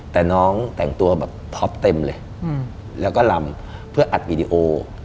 แต่น้องแต่งตัวแบบท็อปเต็มเลยแล้วก็ลำเพื่ออัดวีดีโอ